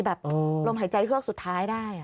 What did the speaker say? ลมหายใจเฮือกสุดท้ายได้